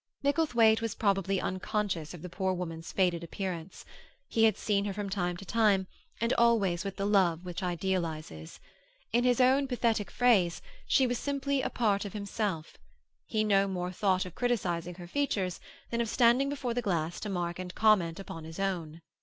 Micklethwaite was probably unconscious of the poor woman's faded appearance. He had seen her from time to time, and always with the love which idealizes. In his own pathetic phrase, she was simply a part of himself; he no more thought of criticizing her features than of standing before the glass to mark and comment upon his own.